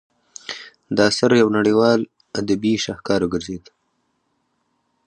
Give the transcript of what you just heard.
دا اثر یو نړیوال ادبي شاهکار وګرځید.